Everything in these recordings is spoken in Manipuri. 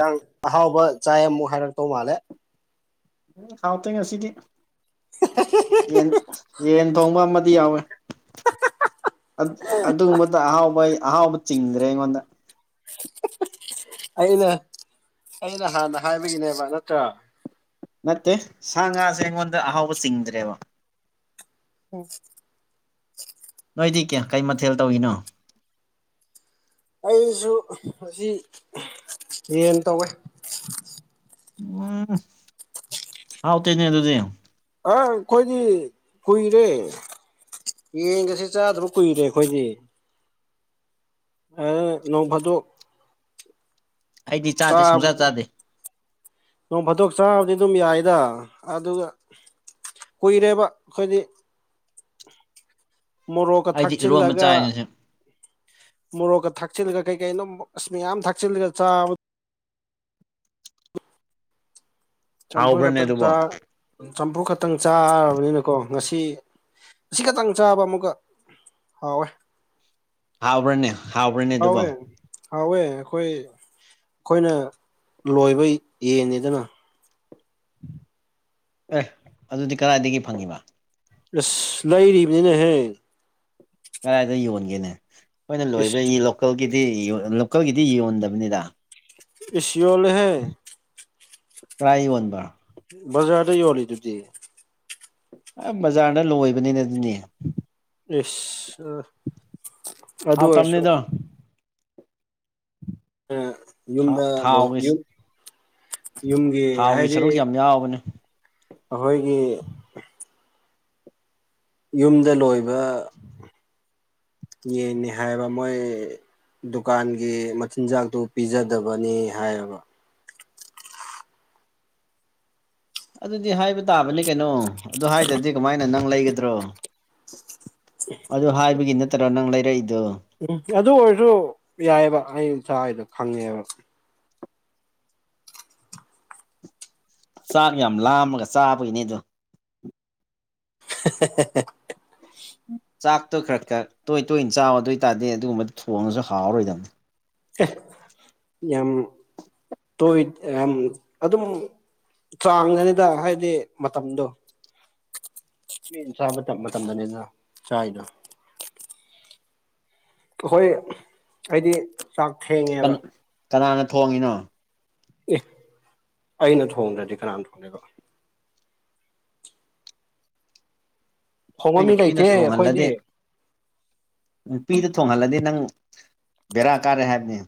ꯍꯥꯡ ꯑꯍꯥꯎꯕ ꯆꯥꯏ ꯑꯃꯨꯛ ꯍꯥꯏꯔꯛꯇꯧ ꯃꯥꯜꯂꯦ ꯍꯥꯎꯇ ꯉꯁꯤꯗꯤ ꯌꯦꯟ ꯌꯦꯟ ꯊꯣꯡꯕ ꯑꯃꯗꯤ ꯌꯥꯎꯋꯦ ꯑꯗꯨꯒꯨꯝꯕꯗ ꯑꯍꯥꯎꯕꯩ ꯑꯍꯥꯎꯕ ꯆꯤꯡꯗ꯭ꯔꯦ ꯑꯩꯉꯣꯟꯗ ꯑꯩꯅ ꯑꯩꯅ ꯍꯥꯟꯅ ꯍꯥꯏꯕꯒꯤꯅꯦꯕ ꯅꯠꯇ꯭ꯔꯥ ꯅꯠꯇꯦ ꯁꯥ ꯉꯥꯁꯦ ꯑꯩꯉꯣꯟꯗ ꯑꯍꯥꯎꯕ ꯆꯤꯡꯗ꯭ꯔꯦꯕ ꯎꯝ ꯀꯗꯤ ꯀꯦ ꯀꯩ ꯃꯊꯦꯜ ꯇꯧꯏꯤꯅꯣ ꯑꯩꯁꯨ ꯉ ꯌꯦꯟ ꯇꯧꯋꯦ ꯎꯝ ꯍꯥꯎ ꯇꯅꯦ ꯑꯗꯨꯗꯤ ꯑ ꯑꯩꯈꯣꯏꯗꯤ ꯍꯨꯏꯔꯦ ꯌꯦꯡꯒꯁꯤ ꯆꯥꯗꯕ ꯀꯨꯏꯔꯦ ꯑꯩꯈꯣꯏꯗꯤ ꯑꯦ ꯅꯣꯡꯕꯗꯨ ꯑꯩꯗꯤ ꯇ ꯆꯥꯗꯦ ꯁꯨꯡꯆꯥ ꯆꯥꯗꯦ ꯐꯊꯣꯛ ꯆꯥꯕꯗꯤ ꯑꯗꯨꯝ ꯌꯥꯏꯗ ꯑꯗꯨꯒ ꯀꯨꯏꯔꯦꯕ ꯑꯩꯈꯣꯏꯗꯤ ꯃꯣꯔꯣꯛꯀ ꯑꯩꯗꯤ ꯏꯔꯣꯝꯕ ꯊꯥꯛꯆꯤꯜꯂꯒ ꯆꯥꯏ ꯉꯁꯤ ꯃꯣꯔꯣꯛꯀ ꯊꯥꯛꯆꯤꯜꯂꯒ ꯀꯩ ꯀꯩꯅꯣ ꯑꯁ ꯃꯌꯥꯝ ꯊꯥꯛꯆꯤꯜꯂꯒ ꯆꯥꯕ ꯆꯝꯄꯨ ꯍꯥꯎꯕ꯭ꯔꯅꯦ ꯆ ꯑꯗꯨꯕꯣ ꯆꯝꯄꯨ ꯈ ꯇꯪ ꯆꯥꯔꯕꯅꯤꯅꯀꯣ ꯉꯁꯤ ꯉꯁꯤ ꯈꯛꯇꯪ ꯆꯥꯕ ꯑꯃꯨꯛꯀ ꯍꯋ ꯍꯥꯎꯕ꯭ꯔꯅꯦ ꯍꯥꯎꯕ꯭ꯔꯅꯦ ꯍꯋꯦ ꯑꯗꯨꯕꯣ ꯍꯋꯦ ꯑꯩꯈꯣꯏ ꯑꯩꯈꯣꯏꯅ ꯂꯣꯏꯕ ꯌꯦꯡꯉꯤꯗꯅ ꯑꯦ ꯑꯗꯨꯗꯤ ꯀꯗꯥꯏꯗꯒꯤ ꯐꯪꯉꯤꯕ ꯏꯁꯂꯍꯤ ꯔꯤꯅꯦꯅ ꯍꯥꯏ ꯀꯗꯥꯏꯗ ꯌꯣꯟꯒꯦꯅꯦ ꯑꯩꯈꯣꯏꯅ ꯏꯁ ꯂꯣꯏꯕ ꯂꯣꯀꯦꯜꯒꯤ ꯂꯣꯀꯦꯜꯒꯤꯗꯤ ꯌꯣꯟꯗꯕꯅꯤꯗ ꯑꯦꯁꯤꯌꯣꯜꯍꯦ ꯇꯥꯏ ꯑꯣꯏꯟꯕ ꯃꯁꯗ ꯋꯥꯔꯤꯜꯂꯤꯗꯨꯗꯤ ꯑ ꯕꯖꯥꯔꯅ ꯂꯣꯏꯕꯅꯤꯅ ꯑꯗꯨꯅꯦ ꯏꯁ ꯑꯗꯨ ꯑꯥꯎ ꯇꯝꯅꯤꯗꯣ ꯑ ꯊꯥ ꯌꯨꯝꯗꯨꯝ ꯊꯥꯎꯒꯤ ꯌꯨꯝꯒꯤ ꯊꯥꯎꯒꯤ ꯍꯥꯏꯗꯤ ꯁꯔꯨꯛ ꯌꯥꯝ ꯌꯥꯎꯕꯅꯦ ꯑꯩꯈꯣꯏꯒꯤ ꯌꯨꯝꯗ ꯂꯣꯏꯕ ꯌꯦ ꯅꯅꯤꯍꯥꯏꯕ ꯃꯣꯏ ꯗꯨꯀꯥꯟꯒꯤ ꯃꯆꯤꯟꯖꯥꯛꯇꯨ ꯄꯤꯖꯗꯕꯅꯤ ꯍꯥꯏꯌꯦꯕ ꯑꯗꯨꯗꯤ ꯍꯥꯏꯕ ꯇꯥꯕꯅꯤ ꯀꯩꯅꯣ ꯑꯗꯨ ꯍꯥꯏꯗ꯭ꯔꯗꯤ ꯀꯃꯥꯏꯅ ꯅꯪ ꯂꯩꯒꯗ꯭ꯔꯣ ꯑꯗꯨ ꯍꯥꯏꯕꯒꯤ ꯅꯠꯇ꯭ꯔꯣ ꯅꯪ ꯂꯩꯔꯛꯏꯗꯨꯣ ꯎꯝ ꯑꯗꯨ ꯑꯣꯏꯔꯁꯨ ꯌꯥꯏꯑꯕ ꯑꯩ ꯏꯁꯁꯥꯗꯣ ꯈꯪꯉꯦꯕ ꯆꯥꯛ ꯌꯥꯝ ꯂꯥꯝꯃꯒ ꯆꯥꯕꯒꯤꯅꯦꯗ [unintelligible] ꯆꯥꯛꯇꯣ ꯈꯔ ꯈꯔ ꯇꯣꯏ ꯇꯣꯏꯅ ꯆ ꯆꯥꯎ ꯑꯗꯨ ꯑꯣꯏ ꯇꯔꯗꯤ ꯑꯗꯨꯒꯨꯝꯕꯗꯨ ꯊꯣꯡꯉꯁꯨ ꯍꯥꯎꯔꯣꯏꯗꯕꯅꯤ ꯌꯥꯝ ꯇꯣ ꯑ ꯑꯗꯨꯝ ꯆꯥꯡꯉꯅꯤꯗ ꯍꯥꯏꯗꯤ ꯃꯇꯝꯗꯣ ꯃꯤ ꯆꯥꯕ ꯃꯇꯝꯗꯅꯤꯅ ꯆꯥꯏꯗꫭ ꯑꯈꫭꯏ ꯑꯩꯗꯤ ꯆꯥꯛ ꯀꯟ ꯊꯦꯡꯉꯦꯕ ꯀꯅꯥꯅ ꯊꯣꯡꯉꯤꯅꯣ ꯑꯦ ꯑꯩꯅ ꯊꯣꯡꯗ꯭ꯔꯗꯤ ꯀꯅꯥꯅ ꯊꯣꯡꯗꫭꯏꯕ ꯊꯣꯡꯕ ꯑꯩ ꯃꯤ ꯅꯨꯄꯤ ꯂꯩꯇꯦ ꯑꯩꯈꯣꯏꯗꯤ ꯊꫭꯡꯍꯜꯂꯗꯤ ꯅꯨꯄꯤꯗ ꯊꯣꯡꯍꯜꯂꯗꯤ ꯅꯪ ꯕꯦꯔꯥ ꯀꯥꯔꯦ ꯍꯥꯏꯕꯅꯤ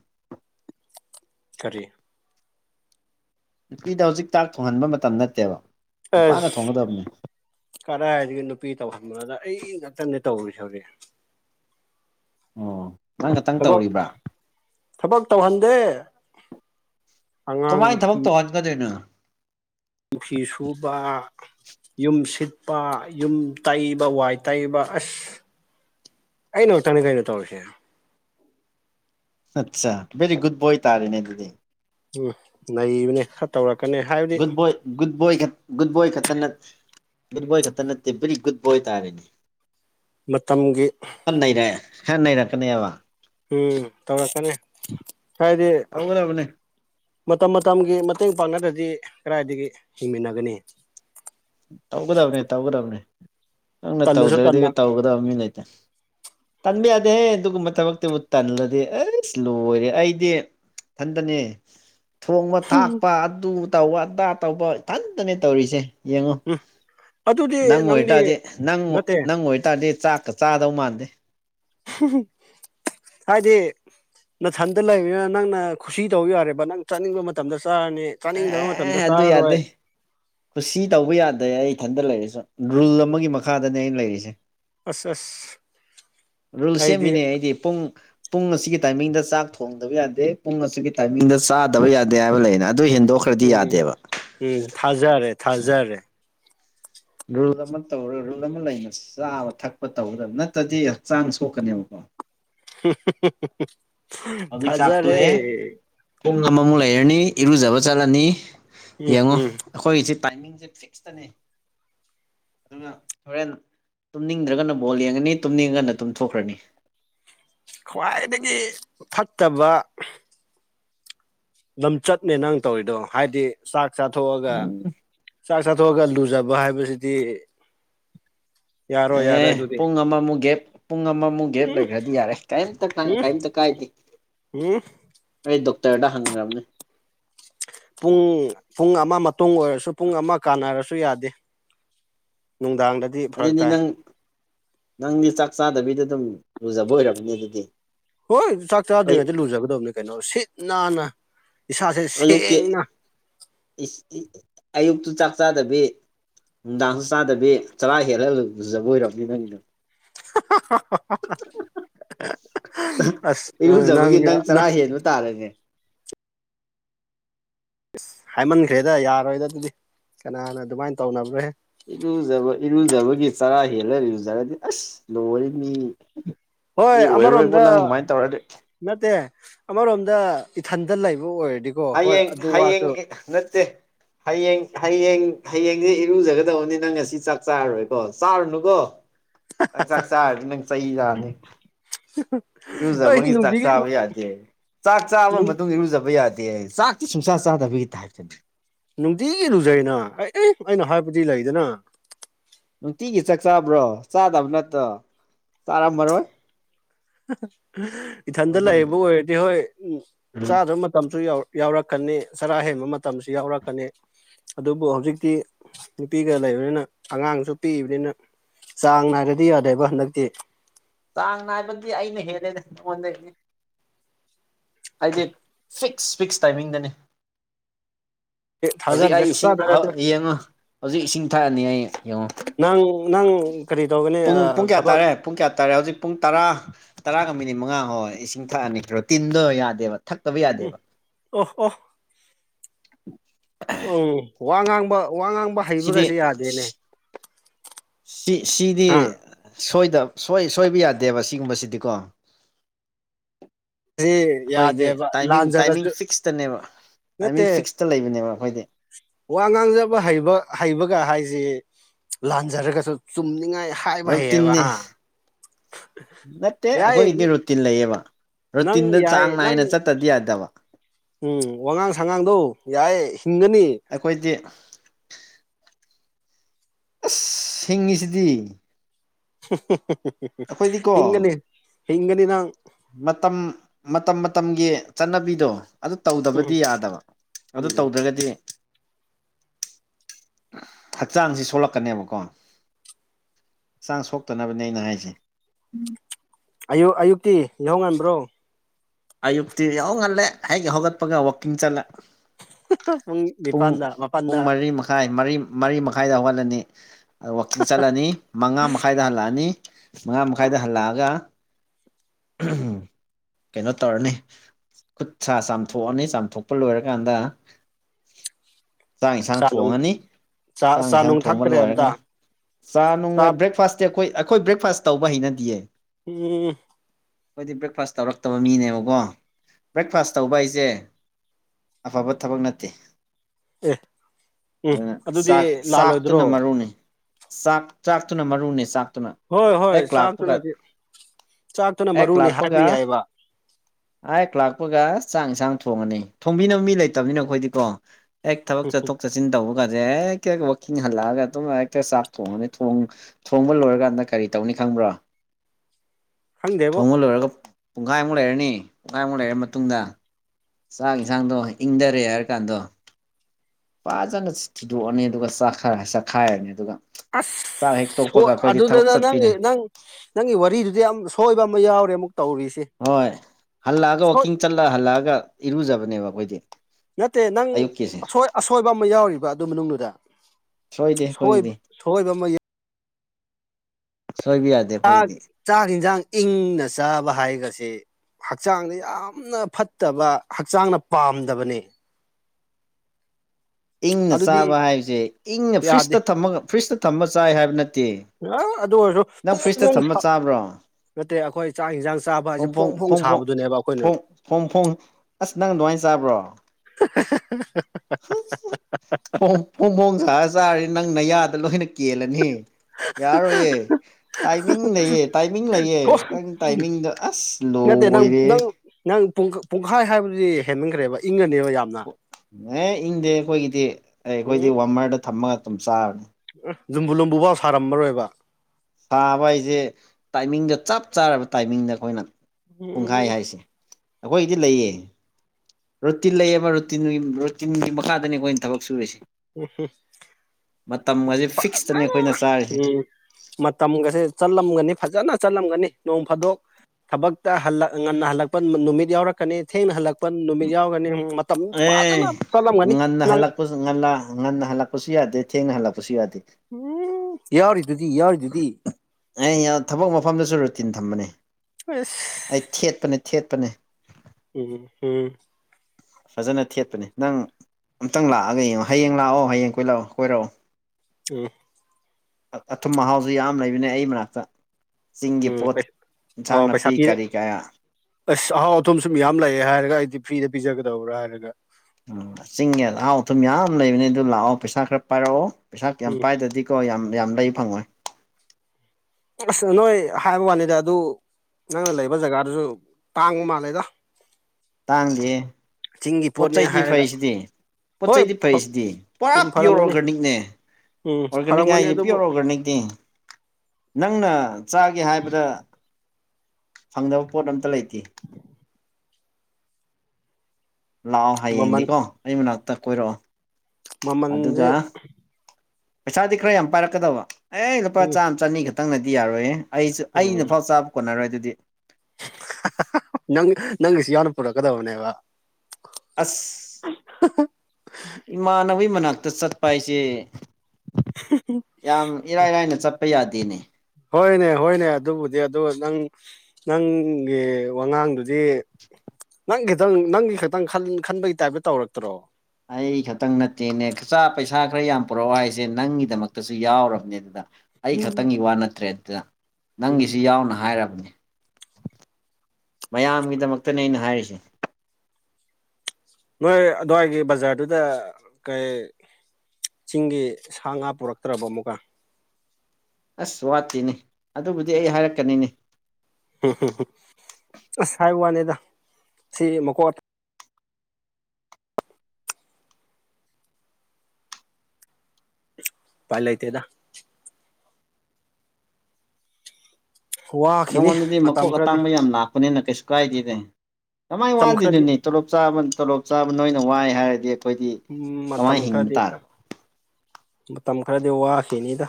ꯀꯔꯤ ꯅꯨꯄꯤꯗ ꯍꯧꯖꯤꯛ ꯇꯥꯛ ꯊꯣꯡꯍꯟꯕ ꯃꯇꯝ ꯅꯠꯇꯦꯕ ꯅꯨꯄꯥꯅ ꯑꯁ ꯊꯣꯡꯒꯗꯕꯅꯤ ꯀꯔꫭꯏꯗꯒꯤ ꯅꯨꯄꯤ ꯇꯧꯍꯟꯕꯅꫭꯗ ꯑꯩ ꯉꯥꯛꯇꯅꯦ ꯇꯧꯔꯤ [unintelligible] ꯑꫭ ꯊꯕꯛ ꯊꯕꯛ ꯇꯧꯍꯟꯗꯦ ꯑꯉꯥꯡꯒꯤ ꯀꯃꯥꯏꯅ ꯊꯕꯛ ꯇꯧꯍꯟꯒꯗꯣꯏꯅꯣ ꯏꯐꯤ ꯁꯨꯕ ꯌꯨꯝ ꯁꯤꯠꯄ ꯌꯨꯝ ꯇꯩꯕ ꯋꯥꯏ ꯇꯩꯕ ꯑꯁ ꯑꯩꯅ ꯉꯛꯇꯅꯤ ꯀꯩꯅꫭ ꯍꯧꯔꯤꯁꯦ ꯑꯆꯥ ꯕꯦꯔꯤ ꯒꯨꯗ ꯕꫭꯏ ꯇꯥꯔꯦꯅꯦ ꯑꯗꯨꯗꯤ ꯎꯝ ꯂꯩꯕꯅꯦ ꯈꯔ ꯇꯧꯔꯛ ꯨꯒꯨꯗ ꯕꫭꯏ ꯒꯨꯗ ꯕꫭꯏꯒ ꯒꯨꯠ ꯕꯣꯏ ꯈꯠꯇ ꯅꯠ ꯒꯨꯠ ꯕꯣꯏ ꯈꯠꯇ ꯅꯠꯇꯦ ꯕꯔꯤ ꯒꯨꯠ ꯕꫭꯏ ꯇꯥꯔꯦꯅꯤ ꯃꯇꯝꯒꯤ ꯈꯔ ꯅꯩꯔꯛꯅꯤꯕ ꯎꯝ ꯇꯧꯔꯀꯅꯤ ꯍꯥꯏꯗꯤ ꯇꯧꯒꯗꯕꯅꯦ ꯃꯇꯝ ꯃꯇꯝꯒꯤ ꯃꯇꯦꯡ ꯄꯥꯡꯅꯗ꯭ꯔꯗꯤ ꯀꯗꯥꯏꯗꯒꯤ ꯍꯤꯡꯃꯤꯟꯅꯒꯅꯤ ꯇꯧꯒꯗꯕꯅꯦ ꯇꯧꯒꯗꯕꯅꯤ ꯅꯪꯅ ꯇꯜꯂꯁꯨ ꯇꯟꯅ ꯇꯧꯗꯒꯗꯤ ꯇꯧꯒꯗꯕ ꯃꯤ ꯂꯩꯇꯦ ꯇꯟꯕ ꯌꯥꯗꯦꯍꯦ ꯑꯗꯨꯒꯨꯝꯕ ꯊꯕꯛꯇꯤꯕꯨ ꯇꯜꯂꯗꯤ ꯑꯁ ꯂꯣꯏꯔꯦ ꯑꯩꯗꯤ ꯊꯟꯗꯅꯦ ꯊꯣꯡꯕ ꯊꯥꯛꯄ ꯑꯗꯨ ꯇꯧꯕ ꯑꯗꯥ ꯇꯧꯕ ꯏꯊꯟꯇꯅꯦ ꯇꯧꯔꯤꯁꯦ ꯌꯦꯡꯉꯣ ꯎꯝ ꯑꯗꯨꯗꯤ ꯅꯪ ꯅꯪꯗꯤ ꯑꯣꯏꯇꯥꯗꯤ ꯅꯪ ꯅꯠꯇꯦ ꯅꯪ ꯑꯣꯏꯇꯥꯗꯤ ꯆꯥꯛꯀ ꯆꯥꯗꯧ ꯃꯥꯟꯗꯦ ꯍꯥꯏꯗꯤ ꯅꯊꯟꯗ ꯂꯩꯕꯅꯤꯅ ꯅꯪꯅ ꯈꯨꯁꯤ ꯇꯧ ꯌꯥꯔꯦꯕ ꯅꯪ ꯆꯠꯅꯤꯡꯕ ꯃꯇꯝꯗ ꯆꯥꯔꯅꯤ ꯆꯥꯅꯤꯡꯗꯕ ꯃꯇꯝꯗ ꯆꯥꯔꯔꯣꯏ ꯀꯨꯁꯤ ꯇꯧꯕ ꯌꯥꯗꯦ ꯑꯩ ꯏꯊꯟꯇ ꯂꯩꯔꯁꯨ ꯔꯨꯜ ꯑꯃꯒꯤ ꯃꯈꯥꯗꯅꯦ ꯑꯩꯅ ꯂꯩꯔꯤꯁꯦ ꯑꯁ ꯑꯁ ꯔꯨꯜ ꯁꯦꯝꯃꯤꯅꯦ ꯑꯩꯗꯤ ꯄꯨꯡ ꯄꯨꯡ ꯑꯁꯤꯒꯤ ꯇꯥꯏꯃꯤꯡꯗ ꯆꯥꯛ ꯊꯣꯡꯗꯕ ꯌꯥꯗꯦ ꯄꯨꯡ ꯑꯁꯤꯒꯤ ꯇꯥꯏꯃꯤꯡꯗ ꯆꯥꯗꯕ ꯌꯥꯗꯦ ꯍꯥꯏꯕ ꯂꯩꯅ ꯑꯗꯨ ꯍꯦꯟꯗꯣꯛꯈ꯭ꯔꯗꯤ ꯎꯝ ꯌꯥꯗꯦꯕ ꯎꯝ ꯊꯥꯖꯥꯔꯦ ꯊꯥꯖꯥꯔꯦ ꯔꯨꯜ ꯑꯃ ꯇꯧꯔ ꯔꯨꯜ ꯑꯃ ꯂꯩꯅ ꯆꯥꯕ ꯊꯛꯄ ꯇꯧꯗꯕ ꯅꯠꯇ꯭ꯔꯗꯤ ꯍꯛꯆꯥꯡ ꯁꯣꯛꯀꯅꯦꯕꯀꯣ [unintelligible] ꯍꯧꯖꯤꯛ ꯆꯥꯛ ꯊꯖꯥꯔꯦ ꯇꯣꯛꯑꯦ ꯄꯨꯡ ꯑꯃꯃꯨꯛ ꯂꯩꯔꯅꯤ ꯏꯔꯨꯖꯕ ꯆꯠꯂꯅꯤ ꯎꯝ ꯌꯦꯡꯉꯣ ꯎꯝ ꯑꯩꯈꯣꯏꯒꯤꯆꯤꯠ ꯇꯥꯏꯃꯤꯡꯁꯦ ꯐꯤꯛꯁꯇꯅꯦ ꯑꯗꯨꯅ ꯍꯣꯔꯦꯟ ꯇꯨꯝꯅꯤꯡꯗ꯭ꯔꯒꯅ ꯕꯣꯜ ꯌꯦꯡꯉꯅꯤ ꯇꯨꯝꯅꯤꯡꯉꯒꯅ ꯇꯨꯝꯊꯣꯛꯈ꯭ꯔꯅꯤ ꯈ꯭ꯋꯥꯏꯗꯒꯤ ꯐꯠꯇꯕ ꯂꯝꯆꯠꯅꯦ ꯅꯪ ꯇꯧꯔꯤꯗꯣ ꯍꯥꯏꯗꯤ ꯆꯥꯛ ꯆꯥꯊꯣꯛꯑꯒ ꯎꯝ ꯆꯥꯛ ꯆꯥꯊꯣꯛꯑꯒ ꯂꯨꯖꯕ ꯍꯥꯏꯕꯁꯤꯗꯤ ꯌꯥꯔꯣꯏ ꯑꯦ ꯌꯥꯔꯣꯏ ꯑꯗꯨꯗꯤ ꯄꯨꯡ ꯑꯃꯃꯨꯛ ꯒꯦꯞ ꯄꯨꯡ ꯑꯃꯃꯨꯛ ꯒꯦꯞ ꯂꯩꯈ꯭ꯔꯗꯤ ꯌꯥꯔꯦ ꯀꯩꯝꯇ ꯀ ꯎꯝ ꯀꯩꯝꯇ ꯀꯥꯏꯗꯦ ꯎꯝ ꯑꯩ ꯗꯣꯛ ꯇꫪꯗ ꯍꯪꯈ꯭ꯔꯕꯅꯤ ꯄꯨꯡ ꯄꯨꯡ ꯨꯇꯨ ꯌꯥꯗꯦ ꯅꯨꯡꯗꯥꯡꯗꯗꯤ ꯐꯔꯛ ꯑꯗꯨꯗꯤ ꯇꯥꯏ ꯅꯪ ꯅꯪꯗꯤ ꯆꯥꯛ ꯆꯥꯗꯕꯤꯗ ꯑꯗꯨꯝ ꯂꯨꯖꯕ ꯑꯣꯏꯔꯕꯅꯦ ꯑꯗꯨꯗꯤ ꯍꯣꯏ ꯆꯥꯛ ꯆꯥꯗ꯭ꯔꯤꯉꯩꯗ ꯂꯨꯖꯒꯗꯕꯅꯤ ꯀꯩꯅꯣ ꯁꯤꯠ ꯅꯥꯟꯅ ꯏꯁꯥꯁꯦ ꯑꯌꯨꯛꯀꯤ ꯁꯦꯡꯅ ꯑꯌꯨꯛꯇꯨ ꯆꯥꯛ ꯆꯥꯗꯕꯤ ꯅꯨꯡꯗꯥꯡꯁꯨ ꯆꯥꯗꯕꯤ ꯆꯔꯥ ꯍꯦꯜꯂꯒ ꯎꯖꯕ ꯑꯣꯏꯔꯕꯅꯤ ꯅꯪꯒꯤꯅ [inaudible] ꯑꯁ ꯑ ꯅꯪ ꯏꯔꯨꯖꯕꯒꯤ ꯆꯔꯥ ꯍꯦꯟꯕ ꯇꯥꯔꯦꯅꯦ ꯑꯁ ꯍꯥꯏꯃꯟꯈ꯭ꯔꯦꯗ ꯌꯥꯔꯣꯏꯗ ꯑꯗꯨꯗꯤ ꯀꯅꯥꯅ ꯑꯗꯨꯃꯥꯏꯅ ꯇꯧꯅꯕ꯭ꯔꯍꯦ ꯏꯔꯨꯖꯕ ꯏꯔꯨꯖꯕꯒꯤ ꯆꯔꯥ ꯍꯦꯜꯂ ꯏꯔꯨꯖꯔꯗꯤ ꯑꯁ ꯂꯣꯏꯔꯤ ꯃꯤ ꯍꯣꯏ ꯃꯤ ꯑꯣꯏꯔꯔꯣꯏꯕꯣ ꯑꯃꯔꯣꯝꯗ ꯅꯪ ꯑꯗꯨꯃꯥꯏꯅ ꯇꯧꯔꯗꯤ ꯅꯠꯇꯦ ꯑꯃꯔꯣꯝꯗ ꯏꯊꯟꯗ ꯂꯩꯕ ꯑꯣꯏꯔꯦ ꯍꯌꯦꯌꯦꯡ ꯍꯌꯦꯌꯦꯡꯡ ꯅꯠꯇꯦ ꯍꯌꯦꯡ ꯍꯌꯦꯡ ꯍꯌꯦꯡꯁ ꯏꯔꯨꯖꯒꯗꯧꯕꯅꯤ ꯅꯪ ꯉꯁꯤ ꯆꯥꯛ ꯆꯥꯔꯔꯣꯏꯀꯣ ꯆꯥꯔꯨꯅꯨꯀꯣ ꯅꯪ ꯆꯥꯛ ꯆꯥꯔꯗꯤ ꯅꯪ ꯆꯍꯤꯔꯥꯅꯤ ꯑꯩꯗꯤ ꯏꯔꯨꯖꯕꯒꯤ ꯆꯥꯛ ꯅꯨꯡꯇꯤꯒꯤ ꯆꯥꯕ ꯌꯥꯗꯦ ꯆꯥꯛ ꯆꯥꯕ ꯃꯇꯨꯡꯗ ꯏꯔꯨꯖꯕ ꯌꯥꯗꯦ ꯑ ꯆꯥꯛꯇꯤ ꯁꯨꯡꯁꯥ ꯆꯥꯗꯕꯒꯤꯇ ꯍꯥꯏꯕꯁꯤꯅꯤ ꯅꯨꯡꯇꯤꯒꯤ ꯂꯨꯖꯩꯅ ꯑꯦ ꯑꯦ ꯑꯩꯅ ꯍꯥꯏꯕꯨꯗꯤ ꯂꯩꯗꯅ ꯅꯨꯡꯇꯤꯒꯤ ꯆꯥꯛ ꯆꯥꯕ꯭ꯔꯣ ꯆꯥꯗꯕ ꯅꯠꯇ ꯆꯔ ꯃꯔꯔꯣꯏ ꯏꯊꯟꯗ ꯂꯩꯕ ꯑꯣꯏꯔꯗꯤ ꯍꯣꯏ ꯎ ꯆꯥꯗꯕ ꯃꯇꯝꯁꯨ ꯌꯥꯎꯔꯛ ꯌꯥꯎꯔꯛꯀꯅꯤ ꯆꯔꯥ ꯍꯦꯟꯕ ꯃꯇꯝꯁꯤ ꯌꯥꯎꯔꯛꯀꯅꯤ ꯑꯗꯨꯕꯨ ꯍꯧꯖꯤꯛꯇꯤ ꯅꯨꯄꯤꯒ ꯂꯩꯕꯅꯤꯅ ꯑꯉꯥꯡꯁꯨ ꯄꯤꯕꯅꯤꯅ ꯆꯥꯡ ꯅꯥꯏꯔꯗꯤ ꯌꯥꯗꯦꯕ ꯍꯟꯗꯛꯇꯤ ꯆꯥꯡ ꯅꯥꯏꯕꯗꯤ ꯑꯩꯅ ꯍꯦꯜꯂꯦ ꯑꯩꯉꯣꯟꯗꯒꯤꯅꯤ ꯑꯩꯗꯤ ꯐꯤꯛꯁ ꯐꯤꯛꯁ ꯇꯥꯏꯃꯤꯡꯗꯅꯤ ꯑꯦ ꯍꯧꯖꯤꯛ ꯊꯥꯖꯗ꯭ꯔꯦ ꯑꯩ ꯁꯨꯛꯊꯥ ꯏꯁꯤꯡ ꯊꯥꯖꯗ꯭ꯔꯦ ꯌꯦꯡꯉꯣ ꯍꯧꯖꯤꯛ ꯏꯁꯤꯡ ꯊꯛꯑꯅꯤ ꯑꯩ ꯌꯦꯡꯉꯨ ꯅꯪ ꯅꯪ ꯀꯔꯤ ꯇꯧꯒꯅꯤ ꯄꯨꯡ ꯀꯌꯥ ꯊꯕꯛ ꯇꯥꯔꯦ ꯄꯨꯡ ꯀꯌꯥ ꯇꯥꯔꯦ ꯍꯧꯖꯤꯛ ꯄꯨꯡ ꯇꯔꯥ ꯇꯔꯥꯒ ꯃꯤꯅꯤꯠ ꯃꯉꯥ ꯍꯣ ꯏꯁꯤꯡ ꯊꯛꯑꯅꯤ ꯔꯣ ꯇꯤꯟꯗꯣ ꯌꯥꯗꯦꯕ ꯊꯛꯇꯕ ꯎ ꯌꯥꯗꯦꯕ ꯑ ꯑ ꯑꯣ ꯋꯥ ꯉꯥꯡꯕ ꯋꯥ ꯉꯥꯡꯕ ꯁꯤꯗꯤ ꯍꯩꯕꯒꯁꯨ ꯌꯥꯗꯦꯅꯦ ꯁꯤ ꯁꯤꯗꯤ ꯑꯥ ꯁꯣꯏꯗ ꯁꯣꯏ ꯁꯣꯏꯕ ꯌꯥꯗꯦꯕ ꯁꯤꯒꯨꯝꯕꯁꯤꯗꯤꯀꯣ ꯁꯤ ꯑꯩꯈꯣꯏꯗꯤ ꯌꯥꯗꯦꯕ ꯇꯥꯏꯃꯤꯡ ꯇꯥꯏꯃꯤꯡ ꯂꯥꯟꯖꯔꯁꯨ ꯐꯤꯛꯁꯇꯅꯦꯕ ꯇꯥꯏꯃꯤꯡ ꯅꯠꯇꯦ ꯐꯤꯛꯁꯇ ꯂꯩꯕꯅꯦꯕ ꯑꯩꯈꯣꯏꯗꯤ ꯋꯥ ꯉꯥꯡꯖꯕ ꯍꯩꯕ ꯍꯩꯕꯒ ꯍꯥꯏꯁꯤ ꯂꯥꯟꯖꯔꯒꯁꯨ ꯆꯨꯝꯅꯤꯡꯉꯥꯏ ꯍꯥꯏꯏꯕ ꯔꯨꯇꯤꯟꯅꯤ ꯅꯠꯇꯦ ꯌꯥꯏ ꯑꯩꯈꯣꯏꯒꯤꯗꯤ ꯔꯨꯇꯤꯟ ꯂꯩꯌꯦꯕ ꯅꯪ ꯔꯨꯇꯤꯟꯗ ꯌꯥꯏꯦ ꯆꯥꯡ ꯅꯪ ꯅꯥꯏꯅ ꯆꯠꯇꯗꯤ ꯌꯥꯗꯕ ꯎꯝ ꯋꯥꯉꯥꯡ ꯁꯥꯉꯥꯡꯗꯧ ꯌꯥꯏꯦ ꯍꯤꯡꯒꯅꯤ ꯑꯩꯈꯣꯏꯗꯤ ꯑꯁ ꯍꯁꯤꯡꯉꯤꯁꯤꯗꯤ ꯍꯒꯅꯤ ꯍꯒꯅꯤꯅ ꯃꯇꯝ ꯃꯇꯝ ꯃꯇꯝꯒꯤ ꯆꯠꯅꯕꯤꯗꯣ ꯑꯗꯨ ꯎꯝ ꯇꯧꯗꯕꯗꯤ ꯌꯥꯗꯕ ꯑꯗꯨ ꯎꯝ ꯎꯝ ꯇꯧꯗ꯭ꯔꯒꯗꯤ [unintelligible] ꯍꯛꯆꯥꯡꯁꯤ ꯁꯣꯛꯂꯛꯀꯅꯦꯕꯀꯣ ꯍꯛꯆꯥꯡ ꯁꯣꯛꯇꯅꯕꯅꯦ ꯑꯩꯅ ꯍꯥꯏꯁ ꯑꯌꯨꯛ ꯑꯌꯨꯛꯇꯤ ꯌꯥꯍꯧ ꯉꯝꯕ꯭ꯔꯣ ꯑꯌꯛꯇ ꯇ ꯌꯉꯂꯦ ꯍꯦꯒ ꯍꯣꯠꯄꯒ ꯋꯥꯀꯤꯡ ꯆꯂ ꯄꯨꯡ ꯅꯤꯄꯥꯟꯗ ꯄꯨꯡ ꯃꯥꯄꯜꯗ ꯃꯔꯤ ꯃꯈꯥꯏ ꯃꯔꯤ ꯃꯔꯤ ꯃꯈꯥꯏꯗ ꯍꯧꯍꯜꯂꯅꯤ ꯋꯥꯋꯥꯛꯀꯤꯡ ꯆꯠꯂꯅꯤ ꯃꯉꯥ ꯃꯈꯥꯏꯗ ꯍꯜꯂꯛꯑꯅꯤ ꯃꯉꯥ ꯃꯈꯥꯏꯗ ꯍꯜꯂꯛꯑꯒ ꯀꯩꯅꯣ ꯇꯧꯔꯅꯤ ꯈꯨꯠ ꯁꯥ ꯆꯥꯝꯊꯣꯛꯑꯅꯤ ꯆꯥꯝꯊꯣꯛꯄ ꯂꯣꯏꯔꯀꯥꯟꯗ [inaudible] ꯆꯥꯡ ꯌꯦꯟꯁꯥꯡ ꯆꯥ ꯅꯨꯡ ꯊꯣꯡꯉꯅꯤ ꯆꯥ ꯆꯥꯡ ꯆꯥ ꯌꯦꯟꯁꯥꯡ ꯅꯨꯡ ꯊꯣꯡꯕ ꯊꯛꯇ꯭ꯔꯦ ꯑꯝꯇ ꯂꯣꯏꯔꯒ ꯆꯥ ꯅꯨꯡꯉ ꯆꯥꯛ ꯕ꯭ꯔꯦꯛꯐꯥꯁꯇꯤ ꯑꯩꯈꯣꯏ ꯑꯩꯈꯣꯏ ꯕ꯭ꯔꯦꯛꯐꯥꯁ ꯇꯧꯕ ꯍꯩꯅꯗꯌꯦ ꯎꯝ ꯑꯩꯣꯏꯗꯤ ꯕ꯭ꯔꯦꯛꯐꯥꯁ ꯇꯧꯔꯛꯇꯕ ꯃꯤꯅꯦꯕꯀꯣ ꯕ꯭ꯔꯦꯛꯐꯥꯁ ꯇꯧꯕ ꯍꯥꯏꯁꯦ ꯑꯐꯕ ꯊꯕꯛ ꯅꯠꯇꯦ ꯑꯦ ꯎꯝ ꯑꯗꯨ ꯑꯗꯨꯗꯤ ꯆꯥꯛ ꯂꯥꯜꯂꯣꯏꯗ꯭ꯔꯣ ꯆꯥꯛꯇꯨꯅ ꯃꯔꯨꯅꯤ ꯆꯥꯛ ꯆꯥꯛꯇꯨꯅ ꯃꯔꯨꯅꯦ ꯆꯥꯛ ꯅ ꯍꯣꯏ ꯍꯣꯏ ꯑꯦꯛ ꯂꯥꯛꯄꯒ ꯆꯥꯛꯇꯨꯅꯗꯤ ꯆꯥꯛꯇꯨꯅ ꯑꯦꯛ ꯃꯔꯨꯅꯤ ꯍꯥꯏꯕ ꯂꯥꯛꯄꯒ ꯌꯥꯏꯕ ꯑ ꯂꯥꯛꯄꯒ ꯆꯥꯛ ꯏꯟꯁꯥꯡ ꯊꯣꯡꯉꯅꯤ ꯊꯣꯡꯕꯤꯅꯕ ꯃꯤ ꯂꯩꯇꯕꯅꯤꯅ ꯑꯩꯈꯣꯏꯗꯤꯀꯣ ꯍꯦꯛ ꯊꯕꯛ ꯆꯠꯊꯣꯛ ꯆꯠꯁꯤꯟ ꯇꯧꯕ ꯦ ꯍꯦꯛ ꯍꯦꯛ ꯋꯥꯛꯀꯤꯡ ꯍꯜꯂꯛꯑꯒ ꯑꯗꯨꯝ ꯍꯦꯛꯇ ꯆꯥꯛ ꯊꯣꯡꯉꯅꯤ ꯊꯣꯡꯕ ꯂꯣꯏꯔꯀꯥꯟꯗ ꯀꯔꯤ ꯇꯧꯅꯤ ꯁꯪꯕ꯭ꯔꯥ [inaudible] ꯈꯪꯗꯦꯕꯣ ꯊꯣꯡꯉ ꯂꯣꯏꯔꯒ ꯄꯨꯡꯈꯥꯏꯃꯨꯛ ꯂꯩꯔꯅꯤ ꯄꯨꯡꯈꯥꯏꯃꯨꯛ ꯂꯩꯔ ꯃꯇꯨꯡꯗ ꯆꯥꯛ ꯌꯦꯟꯁꯥꯡꯗꯣ ꯏꯪꯊꯔꯦ ꯍꯥꯏꯔ ꯀꯥꯟꯗꯣ ꯐꯖꯅ ꯊꯤꯗꯣꯛꯑꯅꯤ ꯑꯗꯨꯒ ꯆꯥꯛꯈꯔ ꯆꯥꯛꯈꯥꯏꯔꯅꯤ ꯑꯗꯨꯒ ꯑꯁ ꯆꯥꯛ ꯍꯦꯛ ꯍ ꯇꯣꯛꯄꯒ ꯑꯩꯈꯣꯏꯗꯤ ꯊꯕꯛ ꯑꯗꯨꯗꯨꯅ ꯅꯪ ꯆꯠꯄꯤꯅꯦ ꯅꯪ ꯅꯪꯒꯤ ꯋꯥꯔꯤꯗꯨꯗꯤ ꯌꯥꯝ ꯁꯣꯏꯕ ꯑꯃ ꯌꯥꯎꯔꯦ ꯑꯃꯨꯛ ꯇꯧꯔꯤꯁꯦ ꯍꯣꯏ ꯍꯜꯂꯛꯑꯒ ꯁꯣꯏ ꯋꯥꯛꯀꯤꯡ ꯆꯠꯂ ꯍꯜꯂꯛꯑꯒ ꯏꯔꯨꯖꯕꯅꯦꯕ ꯑꯩꯈꯣꯏꯗꯤ ꯅꯠꯇꯦ ꯅꯪ ꯑꯌꯨꯛꯀꯤꯁꯦ ꯑꯁꯣꯏꯕ ꯑꯃ ꯌꯥꯎꯔꯤꯕ ꯑꯗꯨ ꯃꯅꯨꯡꯗꯨꯗ ꯁꯣꯏꯗꯦ ꯁꯣꯏ ꯑꯩꯈꯣꯏꯒꯤꯗꯤ ꯁꯣꯏꯕꯃꯩ ꯁꯣꯏꯕ ꯌꯥꯗꯦ ꯆꯥꯛ ꯑꯩꯈꯣꯏꯒꯤꯗꯤ ꯆꯥꯛ ꯌꯦꯟꯁꯥꯡ ꯏꯪꯅ ꯆꯥꯕ ꯍꯥꯏꯒꯁꯦ ꯍꯛꯆꯥꯡꯗ ꯌꯥꯝꯅ ꯐꯠꯇꯕ ꯍꯛꯆꯥꯡꯅ ꯄꯥꯝꯗꯕꯅꯤ ꯏꯪꯅ ꯑꯗꯨꯗꯤ ꯆꯥꯕ ꯍꯥꯏꯕꯁꯦ ꯏꯪꯅ ꯌꯥꯗꯦ ꯐ꯭ꯔꯤꯖꯇ ꯊꯝꯃꯒ ꯐ꯭ꯔꯤꯖꯇ ꯊꯝꯕ ꯆꯥꯏ ꯍꯥꯏꯕ ꯅꯠꯇꯦ ꯅꯠꯇꯦ ꯑ ꯑꯗꯨ ꯑꯣꯏꯔꯁꯨ ꯅꯪ ꯐꯣꯡ ꯐ꯭ꯔꯤꯖꯇ ꯐꯣꯡ ꯊꯝꯕ ꯁꯥ ꯆꯥꯕ꯭ꯔꯣ ꯅꯠꯇꯦ ꯑꯩꯈꯣꯏ ꯆꯥꯛ ꯌꯦꯟꯁꯥꯡ ꯆꯥꯕ ꯐ ꯍꯥꯏꯁꯦ ꯐ ꯐꯣꯡ ꯐꯣꯡ ꯐꯨꯡ ꯐ ꯁꯥꯕꯗꯨꯅꯦꯕ ꯑꯩꯈꯣꯏꯅ ꯐ ꯐꯣꯡ ꯐꯣꯡ ꯑꯁ ꯅꯪ ꯅꯅꯨꯡꯉꯥꯏ ꯆꯥꯕ꯭ꯔꯣ [inaudible] ꯄꯣꯡ ꯐꯣꯡ ꯈꯔ ꯆꯥꯔꯦ ꯅꯪ ꯅꯌꯥꯗ ꯂꯣꯏꯅ ꯀꯦꯜꯂꯅꯤ ꯌꯥꯔꯣꯏꯌꯦꯦ ꯇꯥꯏꯃꯤꯡ ꯂꯩꯌꯦ ꯇꯥꯏꯃꯤꯡ ꯂꯩꯑ ꯅꯪ ꯇꯥꯏꯃꯤꯡꯗꯣ ꯑꯁ ꯅꯠꯇꯦ ꯅꯪ ꯂꯣꯏꯔꯦ ꯅꯪ ꯅꯪ ꯄꯨꯡꯈꯥꯏ ꯍꯥꯏꯕꯗꯨꯗꯤ ꯍꯦꯟꯃꯈ꯭ꯔꯦꯕ ꯏꯪꯉꯅꯦꯕ ꯌꯥꯝꯅ ꯑꯦ ꯏꯪꯗꯦ ꯑꯩꯈꯣꯏꯒꯤꯗꯤ ꯑꯩꯈꯣꯏꯗꯤ ꯋꯥꯔꯃꯔꯗ ꯊꯝꯃꯒ ꯑꯗꯨꯝ ꯆꯥꯕꯅꯤꯅꯦ ꯎ ꯌꯖꯨꯝꯕꯨ ꯂꯨꯝꯕꯨꯐꯥꯎ ꯁꯥꯔꯝꯃꯔꯣꯏꯕ ꯁꯥꯕ ꯍꯥꯏꯁꯦ ꯇꯥꯏꯃꯤꯡꯗꯣ ꯆꯞ ꯆꯥꯔꯕ ꯇꯥꯏꯃꯤꯡꯗ ꯑꯩꯈꯣꯏꯅ ꯄꯨꯡꯈꯥꯏ ꯎꯝ ꯍꯥꯏꯁꯦ ꯑꯩꯈꯣꯏꯒꯤꯗꯤ ꯂꯩꯌꯦ ꯔꯣꯇꯤꯟ ꯂꯩꯌꯦꯕ ꯔꯣꯇꯤꯟ ꯔꯣꯇꯤꯟꯒꯤ ꯃꯈꯥꯗꯅꯤ ꯑꯩꯈꯣꯏꯅ ꯊꯕꯛ ꯁꯨꯔꯤꯁꯦ ꯎ ꯐꯤꯛꯁꯇꯅꯦ ꯑꯩꯈꯣꯏꯅ ꯆꯥꯔꯤꯁꯦ ꯎꯝ ꯃꯇꯝꯒꯁꯦ ꯆꯠꯂꯝꯒꯅꯤ ꯐꯖꯅ ꯆꯠꯂꯝꯒꯅꯤ ꯅꯣꯡ ꯐꯥꯗꯣꯛ ꯊꯕꯛꯇ ꯉꯟꯅ ꯍꯜꯂꯛꯄ ꯅꯨꯃꯤꯠ ꯌꯥꯎꯔꯛ ꯅꯤ ꯊꯦꯡꯅ ꯍꯜꯂꯛꯄ ꯅꯨꯃꯤꯠ ꯌꯥꯎꯒꯅꯤ ꯃꯇꯝ ꯐꯖꯅ ꯑꯦ ꯆꯠꯂꯝꯒꯅꯤ ꯉꯟꯅ ꯅꯪ ꯍꯜꯂꯛꯄꯁꯨ ꯉꯟꯅ ꯉꯟꯅ ꯍꯜꯂꯛꯄꯁꯨ ꯌꯥꯗꯦ ꯊꯦꯡꯅ ꯍꯜꯂꯛꯄꯁꯨ ꯌꯥꯗꯦ ꯎꯝ ꯌꯥꯔꯔꯤꯗꯨꯗꯤ ꯌꯥꯔ ꯑꯗꯨꯗꯤ ꯑꯩ ꯊꯕꯛ ꯃꯐꯝꯗꯁꯨ ꯔꯨꯇꯤꯟ ꯊꯝꯕꯅꯦ ꯑꯩ ꯑꯁ ꯊꯦꯠꯄꯅꯦ ꯊꯦꯠꯄꯅꯦ ꯎ ꯎꯝ ꯐꯖꯅ ꯊꯦꯠꯄꯅꯦ ꯅꯪ ꯑꯨꯛꯇꯪ ꯂꯥꯛꯑꯒ ꯌꯦꯡꯉꯣ ꯍꯌꯦꯡ ꯂꯥꯛꯑꯣ ꯍꯌꯦꯡ ꯀꯣꯏ ꯂꯥꯛꯑꯣ ꯀꯣꯏꯔꯛꯑꯣ ꯎꯝ ꯑꯊꯨꯝ ꯃꯍꯥꯎꯁꯨ ꯌꯥꯝ ꯂꯩꯕꯅꯦ ꯑꯩ ꯃꯅꯥꯛꯇ ꯆꯤꯡꯒꯤ ꯎꯝ ꯄꯣꯠ ꯏꯟꯁꯥꯡ ꯑꯧ ꯅꯥꯄꯤ ꯄꯩꯁꯥ ꯄꯤꯔ ꯀꯔꯤ ꯀꯌꯥ ꯑꯁ ꯑꯍꯥꯎ ꯑꯊꯨꯝꯝꯁꯨ ꯌꯥꯝꯌꯥꯝ ꯂꯩꯥꯛꯑꯦ ꯍꯥꯏꯔꯒ ꯑꯩꯗꯤ ꯐ꯭ꯔꯤꯗ ꯄꯤꯖꯒꯗꯕ꯭ꯔꯥ ꯍꯥꯏꯔꯒ ꯎꯝ ꯆꯤꯡ ꯑꯍꯥꯎ ꯑꯊꯨꯝ ꯃꯌꯥꯝ ꯂꯩꯕꯅꯦ ꯑꯗꯨ ꯂꯥꯛꯑꯣ ꯄꯩꯁꯥ ꯈꯔ ꯄꯥꯏꯔꯛꯑꯣ ꯄꯩꯁꯥ ꯀꯌꯥꯝ ꯎꯝ ꯄꯥꯏꯗꯗꯤꯀꯣ ꯌꯥꯝ ꯌꯥꯝ ꯂꯩ ꯐꯪꯉꯣꯏ ꯑꯁ ꯅꯣꯏ ꯍꯥꯏꯕ ꯋꯥꯅꯤꯗ ꯑꯗꯨ ꯅꯪꯅ ꯂꯩꯕ ꯖꯒꯥꯗꯨꯁꯨ ꯇꯥꯡꯕ ꯃꯥꯜꯂꯦꯗ ꯇꯥꯡꯗꯦ ꯆꯤꯡꯒꯤ ꯄꯣꯠ ꯄꯣꯠꯅꯦ ꯆꯩꯗꯤ ꯍꯥꯏꯔꯒ ꯐꯩꯁꯤꯗꯤ ꯄꯣꯠ ꯍꯣꯏ ꯆꯩꯗꯤ ꯐꯩꯁꯤꯗꯤ ꯄꯨꯔꯥ ꯎꯝ ꯄꯤꯌꯣꯔ ꯐꯔꯝꯒꯅꯤ ꯑꯣꯔꯒꯥꯅꯤꯛꯅꯦ ꯎꯝ ꯑꯣꯔꯒꯥꯅꯤꯛ ꯐꯔꯝꯒꯅꯤ ꯍꯥꯏꯁꯦ ꯑꯗꯨꯕꯨ ꯄꯤꯌꯣꯔ ꯑꯣꯔꯒꯥꯅꯤꯛꯅꯤ ꯅꯪꯅ ꯆꯥꯒꯦ ꯍꯥꯏꯕꯗ ꯐꯪꯗꯕ ꯄꯣꯠ ꯑꯝꯇ ꯂꯩꯇꯦ ꯂꯥꯛꯑꯣ ꯃꯃꯜ ꯍꯌꯦꯡꯗꯤꯀꯣ ꯑꯩ ꯃꯅꯥꯛꯇ ꯀꯣꯏꯔꯛꯑꯣ ꯑꯗꯨꯒ ꯃꯟꯖ ꯄꯩꯁꯥꯗꯤ ꯈꯔ ꯌꯥꯝ ꯄꯥꯏꯔꯛꯀꯗꯕ ꯑꯦ ꯂꯨꯄꯥ ꯎꯝ ꯆꯥꯝꯃ ꯆꯅꯤ ꯈꯛꯇꯪꯅꯗꯤ ꯌꯥꯔꯣꯏꯌꯦ ꯑꯩꯁꯨ ꯎꯝ ꯑꯩꯅꯐꯥꯎ ꯆꯥꯕ ꯀꯣꯟꯅꯔꯣꯏ ꯑꯗꯨꯗꯤ ꯅꯪ ꯅꯪꯒꯤꯁꯨ ꯌꯥꯅ ꯄꯨꯔꯛꯀꯗꯕꯅꯦꯕ ꯑꯁ ꯏꯃꯥꯟꯅꯕꯤ ꯃꯅꯥꯛꯇ ꯆꯠꯄ ꯍꯥꯏꯁꯦ ꯌꯥꯝ ꯏꯔꯥꯏ ꯂꯥꯏꯅ ꯆꯠꯄ ꯌꯥꯗꯦꯅꯦ ꯍꯣꯏꯅꯦ ꯍꯣꯏꯅꯦ ꯑꯗꯨꯕꯨꯗꯤ ꯑꯗꯨ ꯅꯪ ꯅꯪꯒꯤ ꯋꯥꯉꯥꯡꯗꯨꯗꯤ ꯅꯪ ꯈꯤꯇꯪ ꯅꯪꯒꯤ ꯈꯤꯇꯪ ꯈꯟꯕꯒꯤ ꯇꯥꯏꯞꯇ ꯇꯧꯔꯛꯇ꯭ꯔꯣ ꯑꯩ ꯈꯛꯇꯪ ꯅꯠꯇꯦꯅꯦ ꯈꯆꯥ ꯄꯩꯁꯥ ꯈꯔ ꯌꯥꯝ ꯄꯨꯔꯛꯑꯣ ꯍꯥꯏꯁꯦ ꯅꯪꯒꯤꯗꯃꯛꯇꯁꯨ ꯌꯥꯎꯔꯕꯅꯦ ꯑꯗꯨꯗ ꯑꯩ ꯈꯛꯇꯪꯒꯤ ꯋꯥ ꯅꯠꯇ꯭ꯔꯦ ꯑꯗꯨꯗ ꯅꯪꯒꯤꯁꯤ ꯌꯥꯎꯅ ꯍꯥꯏꯔꯕꯅꯤ [inaudible] ꯃꯌꯥꯝꯒꯤꯗꯃꯛꯇꯅꯦ ꯑꯩꯅ ꯍꯥꯏꯔꯤꯁꯦ ꯅꯣꯏ ꯑꯗꯨꯋꯥꯏꯒꯤ ꯕꯖꯥꯔꯗꯨꯗ ꯀꯩ ꯆꯤꯡꯒꯤ ꯁꯥ ꯉꯥ ꯄꯨꯔꯛꯇ꯭ꯔꯕ ꯑꯃꯨꯛꯀ ꯑꯁ ꯋꯥꯠꯇꯦꯅꯦ ꯑꯗꯨꯕꯨꯗꯤ ꯑꯩ ꯍꯥꯏꯔꯛꯀꯅꯤꯅꯦ ꯑꯁ ꯍꯥꯏꯕ ꯋꯥꯅꯦꯗ ꯁꯤ ꯃꯀꯣꯛ ꯄꯥꯏꯂ ꯏꯇꯦꯗꯥ ꯋꯥꯈꯤꯅꯤ ꯅꯪꯉꯣꯟꯗꯗꯤ ꯃꯇꯝ ꯃꯀꯣꯛ ꯈꯔꯗꯤ ꯑꯇꯥꯡꯕ ꯌꯥꯝ ꯂꯥꯛꯄꯅꯤꯅ ꯀꯩꯁꯨ ꯀꯥꯏꯗꯦꯅꯦ ꯀꯃꯥꯏꯅ ꯃꯇꯝ ꯈꯔꯗꯤ ꯋꯥꯗꯣꯏꯗꯨꯅꯤ ꯇꯣꯂꯣꯞ ꯆꯥꯕ ꯇꯣꯂꯣꯞ ꯆꯥꯕ ꯅꯣꯏꯅ ꯋꯥꯏ ꯍꯥꯏꯔꯗꯤ ꯑꯩꯈꯣꯏꯗꯤ ꯎꯝ ꯃꯇꯝ ꯀꯃꯥꯏꯅ ꯍꯤꯡꯕ ꯈꯔꯗꯤ ꯇꯥꯔꯕ ꯃꯇꯝ ꯈꯔꯗꯤ ꯋꯥꯈꯤꯅꯤꯗ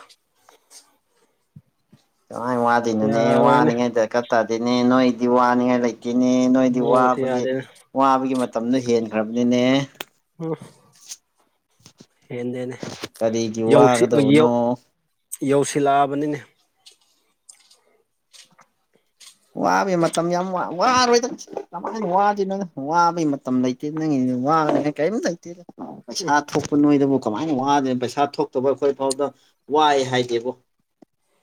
ꯀꯥꯏ ꯋꯥꯗꯅꯨꯅꯦ ꯌꯥꯔꯣꯏꯅꯦ ꯋꯥꯅꯤꯉꯥꯏꯗ ꯀꯇꯥꯗꯤꯅꯦ ꯅꯣꯏꯗꯤ ꯋꯥꯅꯤꯡꯉꯥꯏ ꯂꯩꯇꯦ ꯒꯤꯅꯦ ꯅꯣꯏꯗꯤ ꯃꯑꯣꯡꯁꯦ ꯋꯥꯕꯒꯤ ꯌꯥꯗꯦꯅꯦ ꯋꯥꯕꯒꯤ ꯃꯇꯝꯗꯨ ꯍꯦꯟꯈ꯭ꯔꯕꯅꯤꯅꯦ ꯎꯝ ꯍꯅꯦ ꯀꯔꯤꯒꯤ ꯌꯥꯎꯁꯤ ꯏꯎ ꯋꯥꯒꯗꯕꯅꯣ ꯌꯧꯁꯤꯜꯂꯛꯑꯕꯅꯤꯅꯦ ꯋꯥꯕꯒꯤ ꯃꯇꯝ ꯌꯥꯝ ꯋꯥꯔꯣꯏꯗ ꯀꯃꯥꯏꯅ ꯋꯥꯗꯣꯏꯅꯪ ꯋꯥꯕꯩ ꯃꯇꯝ ꯂꯩꯇꯦ ꯅꯪꯒꯤ ꯋꯥꯉꯦ ꯀꯔꯤꯝꯇ ꯂꯩꯇꯦꯗ ꯄꯩꯁꯥ ꯊꯣꯛꯄ ꯅꯣꯏꯗꯕꯨ ꯀꯃꯥꯏꯅ ꯋꯥꯗꯦ ꯄꯩꯁꯥ ꯊꯣꯛꯇꯕ ꯑꯩꯈꯣꯏ ꯐꯥꯎꯗ ꯋꯥꯏꯑꯦ ꯍꯥꯏꯗꯦꯕ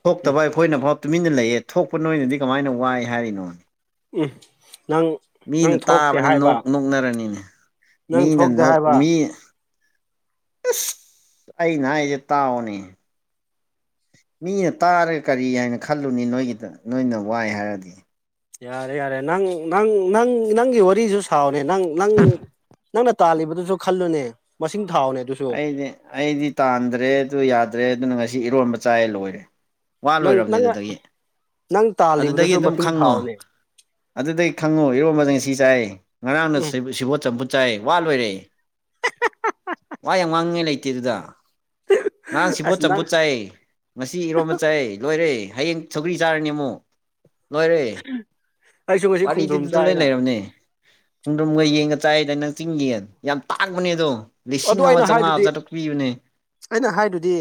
ꯊꯣꯛꯇꯕ ꯑꯩꯈꯣꯏꯅꯐꯥꯎ ꯇꯨꯃꯤꯟꯅ ꯂꯩꯌꯦ ꯊꯣꯛꯄ ꯅꯣꯏꯅꯗꯤ ꯀꯃꯥꯏꯅ ꯋꯥꯏ ꯍꯥꯏꯔꯤꯅꯣꯅꯦ ꯅꯪ ꯃꯤꯅ ꯅꯪ ꯊꯣꯛꯇꯦ ꯇꯥꯕꯗ ꯅꯣꯛ ꯍꯥꯏꯕ ꯅꯣꯛꯅꯔꯅꯤꯅꯦ ꯅꯪ ꯃꯤꯅ ꯊꯣꯛꯇꯦ ꯅꯣ ꯍꯥꯏꯕ ꯃꯤ ꯑꯩ ꯅ ꯍꯥꯏꯁꯦ ꯇꯥꯛꯑꯣꯅꯦ ꯃꯤꯅ ꯇꯥꯔꯒ ꯀꯔꯤ ꯍꯥꯏꯅ ꯈꯜꯂꯨꯅꯤ ꯅꯣꯏꯒꯤꯗ ꯅꯣꯏꯅ ꯋꯥꯏ ꯍꯥꯏꯔꯗꯤ ꯌꯥꯔꯦ ꯌꯥꯔꯦ ꯅꯪ ꯅꯪ ꯅꯪ ꯅꯪꯒꯤ ꯋꯥꯔꯤꯁꯨ ꯁꯥꯎꯅꯦ ꯅꯪ ꯅꯪ ꯅꯪꯅ ꯇꯥꯜꯂꯤꯕꯗꯨꯁꯨ ꯈꯜꯂꯨꯅꯦ ꯃꯁꯤꯡ ꯊꯥꯎꯅꯦ ꯑꯗꯨꯁꯨ ꯑꯩꯗꯤ ꯑꯩꯗꯤ ꯇꯥꯟꯗ꯭ꯔꯦ ꯑꯗꯨ ꯌꯥꯗ꯭ꯔꯦ ꯑꯗꯨꯅ ꯉꯁꯤ ꯏꯔꯣꯟꯕ ꯆꯥꯏꯑ ꯂꯣꯏꯔꯦ ꯋꯥ ꯅꯪ ꯂꯣꯏꯔꯕꯅꯦ ꯅꯪꯅ ꯑꯗꯨꯗꯒꯤ ꯅꯪ ꯑꯗꯨꯗꯒꯤ ꯇꯥꯜꯂꯤꯕꯗꯨꯁꯨ ꯑꯗꯨꯝ ꯃꯁꯤꯡ ꯈꯪꯉꯣ ꯊꯥꯎꯅꯦ ꯑꯗꯨꯗꯩ ꯈꯪꯉꯨ ꯏꯔꯣꯝꯕꯗ ꯁꯤ ꯆꯥꯏ ꯉꯔꯥꯡꯅ ꯎꯝ ꯁꯤꯕꯣꯠ ꯆꯝꯐꯨꯠ ꯆꯥꯏ ꯋꯥꯠꯂꯣꯏꯔꯦ [unintelligible] ꯋꯥ ꯌꯥꯝ ꯋꯥꯂꯤꯉꯥꯏ ꯂꯩꯇꯦ ꯑꯗꯨꯗ ꯉꯥꯡ ꯁꯤꯕꯣ ꯑꯁ ꯅꯪ ꯆꯝꯐꯨꯠ ꯆꯥꯏ ꯉꯁꯤ ꯏꯔꯣꯝꯕꯆꯥꯏ ꯂꯣꯏꯔꯦ ꯍꯌꯦꯡ ꯁꯧꯒ꯭ꯔꯤ ꯆꯥꯔꯅꯦ ꯑꯃꯨꯛ ꯂꯣꯏꯔꯦ ꯑꯩꯁꯨ ꯉꯁꯤ ꯈꯣꯡꯗ꯭ꯔꯨꯝ ꯋꯥꯔꯤꯗꯨꯗ ꯂꯣꯏ ꯆꯥꯏꯅ ꯂꯩꯔꯕꯅꯦ ꯈꯣꯡꯗ꯭ꯔꯝꯒ ꯌꯦꯡꯒ ꯆꯥꯏꯗ ꯅꯪ ꯆꯤꯡꯒꯤ ꯌꯥꯝ ꯇꯥꯛꯕꯅꯦ ꯑꯗꯣ ꯂꯤꯁꯤꯡ ꯑꯗꯣ ꯑꯃ ꯑꯩꯅ ꯆꯥꯝꯃꯉꯥ ꯍꯥꯏꯗꯨꯗꯤ ꯆꯥꯇ꯭ꯔꯨꯛ ꯄꯤꯕꯅꯦ ꯑꯩꯅ ꯍꯥꯏꯗꯨꯗꯤ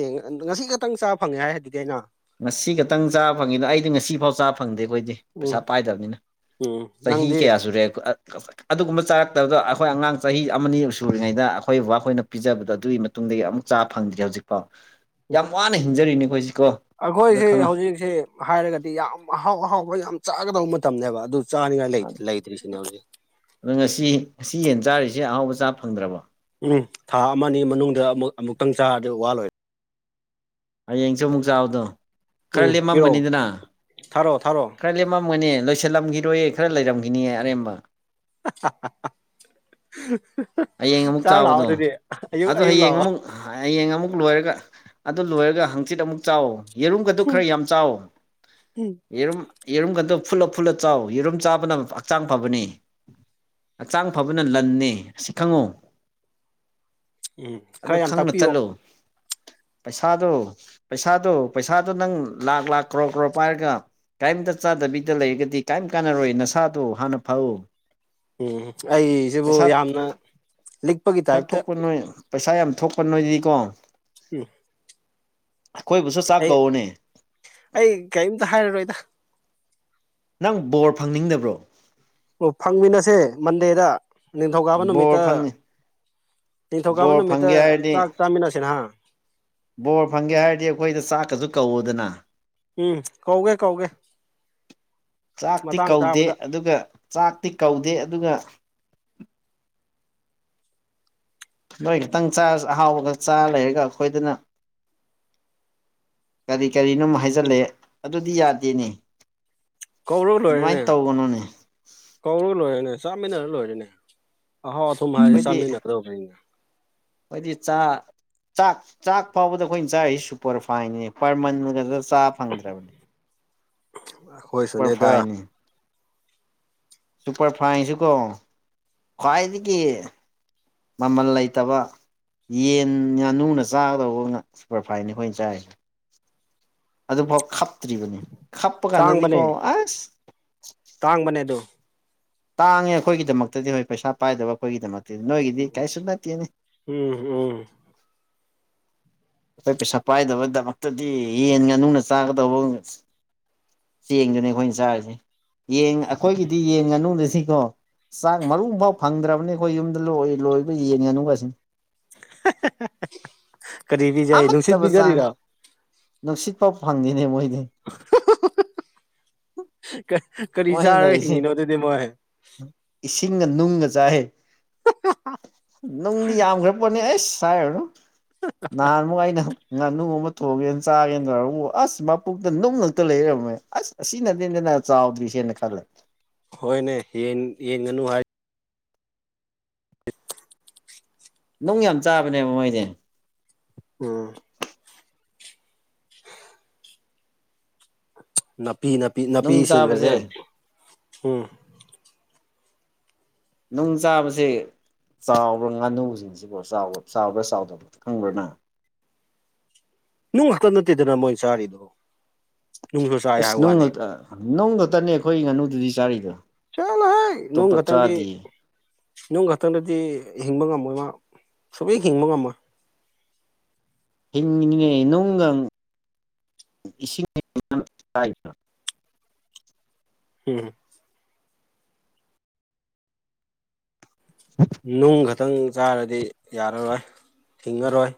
ꯉꯁꯤ ꯈꯛꯇꯪ ꯆꯥꯕ ꯐꯪꯉꯦ ꯍꯥꯏꯗꯨꯗꯤ ꯑꯩꯅ ꯉꯁꯤ ꯈꯛꯇꯪ ꯆꯥꯕ ꯐꯪꯉꯤꯗ ꯑꯩꯗꯤ ꯉꯁꯤ ꯐꯥꯎ ꯆꯥꯕ ꯐꯪꯗꯦ ꯑꯩꯈꯣꯏꯗꯤ ꯄꯩꯁꯥ ꯎꯝ ꯄꯥꯏꯗꯕꯅꯤꯅ ꯎꯝ ꯁ ꯆꯍꯤꯍꯤ ꯅꯪꯗꯤ ꯀꯌꯥꯁꯨꯨꯔꯦ ꯑꯗꯨꯒꯨꯝꯕ ꯆꯥꯔꯛꯇꯕꯗꯣ ꯑꯩꯈꯣꯏ ꯑꯉꯥꯡ ꯆꯍꯤ ꯑꯃꯅꯤ ꯑꯅꯤꯛ ꯁꯨꯔꯤꯉꯩꯗ ꯑꯩꯈꯣꯏ ꯕꯕꯥ ꯑꯩꯈꯣꯏꯅ ꯄꯤꯖꯕꯗꯣ ꯑꯗꯨꯒꯤ ꯃꯇꯨꯡꯗꯒꯤ ꯑꯃꯨꯛ ꯆꯥ ꯐꯪꯗ꯭ꯔꯤ ꯍꯧꯖꯤꯛꯐꯥꯎ ꯌꯥꯝ ꯋꯥꯅ ꯍꯤꯡꯖꯔꯤꯅꯤꯈꯣꯏꯁꯤ ꯀꯣ ꯑꯩꯈꯣꯏꯁꯦ ꯍꯧꯖꯤꯛꯁꯤꯦ ꯍꯥꯏꯔꯒꯗꯤ ꯌꯥꯝ ꯑꯍꯥꯎ ꯑꯍꯥꯎꯕ ꯌꯥꯝ ꯆꯥꯒꯗꯧꯕ ꯃꯇꯝꯅꯦꯕ ꯑꯗꯨ ꯆꯥꯅꯤꯡꯉꯥꯏ ꯂꯩ ꯂꯩꯇ꯭ꯔꯤꯁꯤꯅꯦ ꯍꯧꯖꯤꯛ ꯑꯗꯣ ꯉꯁꯤ ꯉꯁꯤ ꯌꯦꯟ ꯆꯥꯔꯤꯁꯦ ꯑꯍꯥꯎꯕ ꯆꯥ ꯐꯪꯗ꯭ꯔꯕꯣ ꯎꯝ ꯊꯥ ꯑꯃꯒꯤ ꯃꯅꯨꯡꯗ ꯑꯃꯨꯛ ꯑꯃꯨꯛꯇꯪ ꯆꯥꯔꯗꯤ ꯋꯥꯂꯣꯏꯦ ꯍꯌꯦꯡꯁꯨ ꯑꯃꯨꯛ ꯆꯥꯎꯕꯗꯣ ꯈꯔ ꯎꯝ ꯄꯤꯔꯛꯑꯣ ꯂꯦꯝꯃꯝꯃꯅꯤꯗꯅ ꯊꯥꯔꯛꯑꯣ ꯊꯥꯔꯛꯑꯣ ꯈꯔ ꯂꯃꯝ ꯝꯒꯅꯦ ꯂꯣꯏꯁꯤꯜꯂꯝꯈꯤꯔꯣꯏ ꯈꯔ ꯂꯩꯔꯝꯈꯤꯅꯤꯑ ꯑꯔꯦꯝꯕ [inaudible] ꯍꯌꯦꯡ ꯑꯃꯨꯛ ꯆꯥꯔ ꯂꯥꯛꯑꯣ ꯆꯥꯎꯕꯗꯣ ꯑꯗꯨꯗꯤ ꯑꯌꯨꯛ ꯑꯗꯣ ꯑꯌꯨꯛ ꯍꯌꯦꯡ ꯂꯥꯛꯑꯣ ꯑꯃꯨꯛ ꯍꯌꯦꯡ ꯑꯃꯨꯛ ꯂꯣꯏꯔꯒ ꯑꯗꯨ ꯂꯣꯏꯔꯒ ꯍꯪꯆꯤꯠ ꯑꯃꯨꯛ ꯆꯥꯎ ꯌꯦꯔꯨꯝꯒꯗꯨ ꯈꯔ ꯌꯥꯝ ꯆꯥꯎꯋ ꯎꯝ ꯌꯦꯔꯨꯝ ꯌꯦꯔꯨꯝꯒꯗ ꯐꯨꯜꯂꯞ ꯐꯨꯜꯂ ꯆꯥꯎ ꯌꯦꯔꯨꯝ ꯆꯥꯕꯅ ꯍꯛꯆꯥꯡ ꯐꯕꯅꯤ ꯍꯛꯆꯥꯡ ꯐꯕꯅ ꯂꯟꯅꯦ ꯑꯁꯤ ꯈꯪꯉꯨ ꯎꯝ ꯑꯗꯨ ꯈꯔ ꯌꯥꯝ ꯈꯪꯅ ꯇꯥꯛꯄꯤꯌꯣ ꯆꯠꯂꯨ ꯄꯩꯁꯥꯗꯣ ꯄꯩꯁꯥꯗꯣ ꯄꯩꯁꯥꯗꯣ ꯅꯪ ꯂꯥꯛ ꯂꯥꯛꯈ ꯀ꯭ꯔꯣꯔ ꯀ꯭ꯔꯣꯔ ꯄꯥꯏꯔꯒ ꯀꯔꯤꯝꯇ ꯆꯥꯗꯕꯤꯗ ꯂꯩꯔꯒꯗꯤ ꯀꯔꯤꯝ ꯀꯥꯟꯅꯔꯣꯏ ꯅꯁꯥꯗꯣ ꯍꯥꯟꯅ ꯐꯥꯎꯎ ꯎꯝ ꯑꯩꯁꯤꯕꯨ ꯌꯥꯝꯅ ꯂꯤꯛꯄꯒꯤ ꯄꯩꯁꯥ ꯇꯥꯏꯞꯇ ꯊꯣꯛꯄ ꯅꯣꯏ ꯄꯩꯁꯥ ꯌꯥꯝ ꯊꯣꯛꯄ ꯅꯣꯏꯗꯤꯀꯣ ꯎꯝ ꯑꯩꯈꯣꯏꯕꯨꯁꯨ ꯆꯥꯛ ꯑꯩ ꯀꯧꯑꯣꯅꯦ ꯑꯩ ꯀꯔꯤꯝꯇ ꯍꯥꯏꯔꯔꯣꯏꯗ ꯅꯪ ꯕꯣꯔ ꯐꯪꯅꯤꯡꯗꯕ꯭ꯔꯣ ꯑꯣ ꯐꯪꯃꯤꯟꯅꯁꯦ ꯃꯟꯗꯦꯗ ꯅꯤꯡꯊꯧꯀꯥꯕ ꯕꯣꯔ ꯅꯨꯃꯤꯠꯇ ꯐꯪ ꯅꯤꯡꯊꯧꯀꯥꯕ ꯕꯣꯔ ꯅꯨꯃꯤꯠꯇ ꯐꯪꯒꯦ ꯍꯥꯏꯔꯗꯤ ꯆꯥꯛ ꯆꯥꯃꯤꯟꯅꯁꯤ ꯅꯍ [inaudible] ꯕꯣꯔ ꯐꯪꯒꯦ ꯍꯥꯏꯔꯗꯤ ꯑꯩꯈꯣꯏꯗ ꯆꯥꯛꯀꯁꯨ ꯀꯧꯎꯗꯅ ꯎꯝ ꯀꯧꯒꯦ ꯀꯧꯒꯦ ꯆꯥꯛꯇꯤ ꯃꯇꯥꯡ ꯀꯧꯗꯦ ꯆꯥꯕꯗ ꯑꯗꯨꯒ ꯆꯥꯛꯇꯤ ꯀꯧꯗꯦ ꯑꯗꯨꯒ ꯅꯣꯏ ꯈꯤꯛꯇꯪ ꯆ ꯑꯍꯥꯎꯕ ꯈꯛ ꯆꯥꯔ ꯂꯩꯔꯒ ꯑꯩꯈꯣꯏꯗꯅ ꯀꯔꯤ ꯀꯔꯤꯅꯣ ꯍꯥꯏꯖꯤꯜꯂꯦ ꯑꯗꯨꯗꯤ ꯌꯥꯗꯦꯅꯤ ꯀꯧꯔꯨ ꯂꯣꯏꯔꯦꯅꯦ ꯀꯧꯔꯨ ꯂꯣꯏꯔꯦꯅꯦ ꯆꯥꯃꯤꯟꯅꯔ ꯂꯣꯏꯔꯦꯅꯦ ꯑꯍꯥꯎ ꯑꯗꯨꯨꯝ ꯍꯥꯏꯁꯦ ꯑꯩꯈꯣꯏꯗꯤ ꯆꯥꯃꯤꯟꯅꯒꯗꯧꯕꯅꯦ ꯑꯩꯈꯣꯏꯗꯤ ꯆꯥ ꯆꯥꯛ ꯆꯥꯛ ꯐꯥꯎꯕꯗ ꯑꯩꯈꯣꯏꯅ ꯆꯥꯔꯤꯁꯤ ꯁꯨꯄꯔ ꯐꯥꯏꯟꯅꯤ ꯄꯔꯃꯟꯒ ꯆꯥ ꯐꯪꯗ꯭ꯔꯕꯅꯦ ꯁꯨꯄꯔ ꯑꯩꯈꯣꯏꯁꯨꯅꯦꯗ ꯐꯥꯏꯟꯅꯤ ꯁꯨꯄꯔ ꯐꯥꯏꯟꯁꯨꯀꯣ ꯈ꯭ꯋꯥꯏꯗꯤ ꯀ ꯃꯃꯜ ꯂꯩꯇꯕ ꯌꯦꯟ ꯉꯥꯅꯨꯅ ꯆꯥꯒꯗꯧꯕ ꯉ ꯁꯨꯄꯔꯐꯥꯏꯟꯅꯤ ꯑꯩꯈꯣꯏꯅ ꯆꯥꯏ ꯑꯗꯨꯐꯥꯎ ꯈꯞꯇ꯭ꯔꯤꯕꯅꯤ ꯈꯞꯄ ꯀꯥꯟꯗꯗꯤꯀꯣ ꯑꯁ ꯇꯥꯡ ꯃꯅꯦ ꯑꯗꯨ ꯇꯥꯡꯉꯦ ꯑꯩꯈꯣꯏꯒꯤꯗꯃꯛꯇꯗꯤ ꯍꯣꯏ ꯄꯩꯁꯥ ꯄꯥꯏꯗꯕ ꯑꯩꯈꯣꯏꯒꯤꯗꯃꯛꯇ ꯅꯣꯏꯒꯤꯗꯤ ꯀꯥꯏꯁꯨ ꯅꯇꯅꯦ ꯎꯝ ꯎꯝ ꯑꯩꯈꯣꯏ ꯄꯩꯁꯥ ꯄꯥꯏꯗꯕꯩꯗꯃꯛꯇꯗꯤ ꯌꯦꯟ ꯉꯥꯅꯨꯅ ꯆꯥꯒꯗꯧꯕ ꯆꯦꯡꯗꯨꯅꯦ ꯑꯩꯈꯣꯏꯅ ꯆꯥꯔꯤꯁꯦ ꯌꯦ ꯑꯩꯈꯣꯏꯒꯤꯗꯤ ꯌꯦꯟ ꯉꯥꯅꯗ ꯁꯤ ꯑꯗꯣ ꯆꯥꯛ ꯃꯔꯨꯡ ꯐꯥꯎ ꯐꯪꯗ꯭ꯔꯕꯅꯤ ꯑꯩꯈꯣꯏ ꯌꯨꯝꯗ ꯂꯣꯏ ꯂꯣꯏꯕ ꯌꯦꯡꯉꯅꯨꯒꯁꯤꯅꯤ ꯀꯔꯤ ꯄꯤꯖꯩ ꯅꯨꯡꯁꯤꯠ ꯑꯃꯠꯇꯕ ꯆꯥꯡ ꯄꯤꯖꯔꯤꯔꯣ ꯅꯨꯡꯁꯤꯠ ꯐꯥꯎ ꯐꯪꯉꯤꯅꯦ ꯃꯣꯏ ꯀꯥꯏ ꯀꯔꯤ ꯃꯣꯏꯅ ꯆꯥꯔꯒ ꯂꯩꯔꯤꯁꯤ ꯍꯤꯡꯉꯤꯅꯣ ꯑꯗꯨꯗꯤ ꯃꯣꯏ ꯏꯁꯤꯡꯒ ꯅꯨꯡꯒ ꯆꯥꯏ ꯅꯨꯡꯗꯤ ꯌꯥꯝꯈ꯭ꯔ ꯄꯣꯠꯅꯤ ꯑꯩꯁ ꯁꯥꯏ ꯑꯣꯏꯣ ꯅꯍꯥꯟ ꯑꯃꯨꯛ ꯑꯩꯅ ꯉꯥꯨꯣꯡꯃ ꯀꯣꯒꯦꯅ ꯆꯥꯒꯦꯅ ꯇꯧꯔꯎ ꯑꯁ ꯃꯄꯨꯇ ꯅꯨꯡ ꯉꯛꯇ ꯂꯩꯔꯕꯃꯦ ꯑꯁ ꯑꯁꯤ ꯅꯠꯇꯦꯗꯅ ꯆꯥꯎꯗ꯭ꯔꯤ ꯟꯅꯥꯛꯂ ꯍꯣꯏꯅꯦ ꯌꯦꯡꯒꯅꯨ ꯍꯥꯏ ꯅꯨꯡ ꯌꯥꯝ ꯆꯥꯕꯅꯦꯕ ꯃꯣꯏꯅꯦ ꯎꯝ ꯅꯥꯄꯤ ꯅꯥꯄꯤ ꯅꯨꯡ ꯅꯥꯄꯤꯁꯤꯡꯒꯁꯦ ꯆꯥꯕꯁꯦ ꯎꯝ ꯅꯨꯡ ꯆꯥꯕꯁꯦ ꯆꯥꯎꯕ꯭ꯔꯥ ꯉꯥꯅꯨꯁꯤꯡꯁꯤꯕꯨ ꯆꯥꯎꯕ ꯆꯥꯎꯕ꯭ꯔꯥ ꯆꯥꯎꯗꯕ ꯈꯪꯕ꯭ꯔꯥꯅ ꯅꯨꯡ ꯉꯥꯛꯇ ꯅꯠꯇꯦꯗꯅ ꯃꯣꯏ ꯆꯥꯔꯤꯗꯨꯣ ꯑꯁ ꯅꯨꯡ ꯅꯨꯡ ꯈꯛꯇꯅꯦ ꯑꯩꯈꯣꯏ ꯉꯥꯅꯨꯗꯨꯗꯤ ꯆꯥꯔꯤꯗꯣ ꯆꯠꯂꯣꯍꯩ ꯇ ꯅꯨꯡ ꯈꯛꯇꯪꯗꯤ ꯄꯆꯥꯥꯗꯦ ꯅꯨꯡ ꯈꯛꯇꯪꯗꯗꯤ ꯍꯤꯡꯕ ꯉꯝꯃꯣꯏ ꯃꯥ ꯁꯕ ꯍꯤꯡꯕ ꯉꯝꯃꯣꯏ ꯍꯉ ꯅꯣꯡꯒꯪ ꯏꯁꯤꯡ ꯌꯥꯝ ꯆꯔꯥꯏꯅ ꯎꯝ ꯅꯨꯡ ꯈꯛꯇꯪ ꯆꯥꯔꯗꯤ ꯌꯥꯔꯔꯣꯏ ꯊꯤꯡꯉꯔꯣꯏ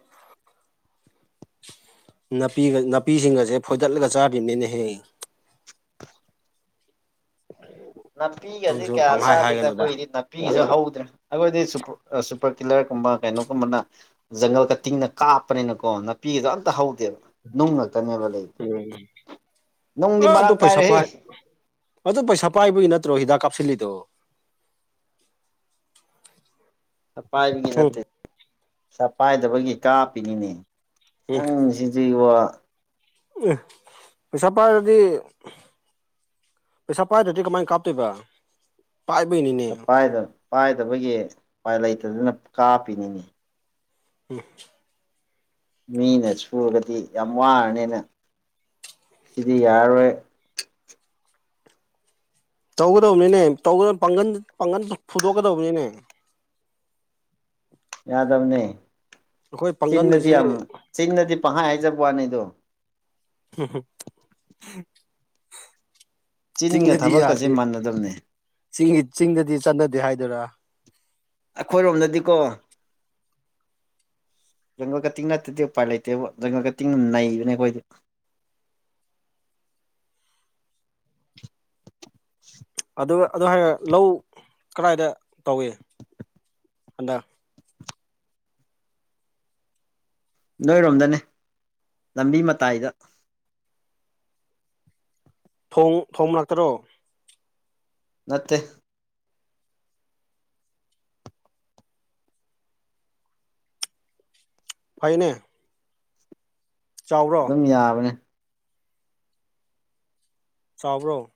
ꯄꯤꯒ ꯅꯥꯄꯤꯁꯤꯡꯒꯁꯦ ꯐꯣꯏꯗꯠꯂꯒ ꯆꯥꯗ꯭ꯔꯤꯕꯅꯤꯅꯦ ꯍꯌꯦ [unintelligible] ꯅꯥꯄꯤꯒꯗꯤ ꯅꯪꯁꯨ ꯀꯌꯥ ꯄꯪꯍꯥꯏ ꯆꯥꯗꯦꯗ ꯍꯥꯏꯒꯅꯨꯗ ꯑꯩꯈꯣꯏꯗꯤ ꯅꯥꯄꯤꯁꯨ ꯍꯧ ꯑꯩꯈꯣꯏꯗꯤ ꯁꯨꯄꯔ ꯀꯤꯂꯔꯒꯨꯝꯕ ꯀꯩꯅꯣꯒꯨꯝꯕꯅ ꯖꯪꯒꯜ ꯀ ꯇꯤꯡꯅ ꯀꯥꯞꯄꯅꯤꯅꯀꯣ ꯑꯣ ꯄꯤꯗꯣ ꯑꯝꯇ ꯍꯧ ꯦꯕ ꯅꯨꯡ ꯉꯥꯛꯛꯇꯅꯦꯕ ꯂꯩꯕ ꯎꯝ ꯅꯨꯡꯗꯤ ꯑꯥ ꯑꯗꯨ ꯃꯔꯥꯡ ꯄꯩꯁꯥ ꯀꯥꯏꯔꯦ ꯍꯦ ꯄꯥꯏ ꯑꯗꯨ ꯄꯩꯁꯥ ꯄꯥꯏꯕꯒꯤ ꯅꯠꯇ꯭ꯔꯣ ꯍꯤꯗꯥꯛ ꯀꯥꯞꯁꯤꯜꯂꯤꯗꯣ ꯁꯐꯥꯏꯕꯒꯤ ꯎꯝ ꯅꯠꯇꯦ ꯆꯄꯥꯏꯗꯕꯒꯤ ꯀꯥꯞꯄꯤꯅꯤꯅꯦ ꯌꯥꯝꯪ ꯁꯤꯗꯤꯩ ꯋꯥ ꯎ ꯆꯄ ꯑꯗꯨꯗꯤ ꯄꯩꯁꯥ ꯄꯥꯏꯗ꯭ꯔꯗꯤ ꯀꯃꯥꯏꯅ ꯀꯥꯞꯇꯣꯏꯕ ꯄꯥꯏꯕꯩꯅꯤꯅꯦ ꯄꯥꯏꯗꯕꯒꯤ ꯎꯄꯥꯏ ꯂꯩꯇꯗꯅ ꯀꯥꯞꯄꯤꯅꯤꯅꯦ ꯎꯝ ꯃꯤꯅ ꯁꯨꯔꯒꯗꯤ ꯌꯥꯝ ꯋꯥꯔꯅꯤꯅ ꯁꯤꯗꯤ ꯌꯥꯔꯣꯏ ꯇꯧꯒꯗꯕꯅꯤꯅꯦ ꯄꯥꯡꯒꯟ ꯄꯥꯡꯒꯟ ꯐꯨꯗꯣꯛꯀꯗꯕꯅꯤꯅꯦ ꯌꯥꯗꯕꯅꯦ ꯑꯩꯈꯣꯏ ꯆꯤꯟꯅꯗꯤ ꯄꯥꯡꯒꯟꯒꯤꯁꯤ ꯌꯥꯝ ꯆꯤꯟꯅꯗꯤ ꯄꯥꯏ ꯍꯥꯏꯖꯕ ꯋꯥꯅꯤꯗꯣ ꯝ ꯆꯤꯟꯒ ꯆꯤꯡꯗꯗꯤ ꯊꯕꯛꯀꯁꯦ ꯌꯥꯗꯦ ꯃꯥꯟꯅꯗꯕꯅꯦ ꯆꯤꯡꯒꯤ ꯆꯤꯡꯗꯗꯤ ꯆꯠꯅꯗꯦ ꯍꯥꯏꯗꯔ ꯑꯩꯈꯣꯏꯔꯣꯝꯗꯗꯤꯀꯣ [unintelligible] ꯖꯪꯒꯜ ꯀꯇꯤꯡ ꯅꯠꯇꯗꯤ ꯎꯄꯥꯏ ꯂꯩꯇꯦꯕ ꯖꯪꯒꯜ ꯀꯇꯤꯡ ꯅꯩꯕꯅꯦ ꯑꯩꯈꯣꯏꯗꯤ [unintelligible] [unintelligible] ꯑꯗꯨꯒ ꯑꯗꯨ ꯍꯥꯏꯔ ꯂꯧ ꯀꯗꯥꯏꯗ ꯇꯧꯏ ꯍꯟꯗꯛ ꯅꯣꯏꯔꯣꯝꯗꯅꯦ ꯂꯝꯕꯤ ꯃꯇꯥꯏꯗ ꯊ ꯊꯣꯡ ꯉꯥꯛꯛꯇꯔꯣ ꯅꯠꯇꯦ ꯐꯥꯏꯅꯦ ꯑꯗꯨꯝ ꯌꯥꯕꯅꯦ ꯆꯥꯎꯕ꯭ꯔꯣ